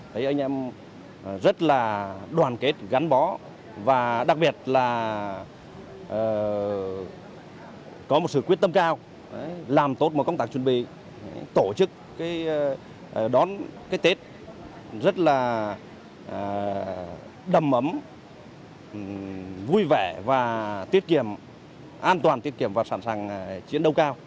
thấy anh em rất là đoàn kết gắn bó và đặc biệt là có một sự quyết tâm cao làm tốt một công tác chuẩn bị tổ chức đón tết rất là đầm ấm vui vẻ và tiết kiệm an toàn tiết kiệm và sẵn sàng chiến đấu cao